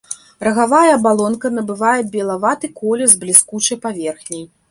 Рагавая абалонка набывае белаваты колер з бліскучай паверхняй.